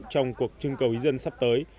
trong cuộc chương cầu ý dân sắp tới